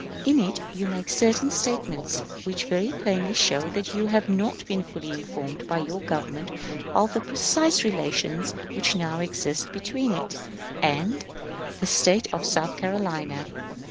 In it you make certain statements which very plainly show that you have not been fully informed by your Government of the precise relations which now exist between it and the State of South Carolina.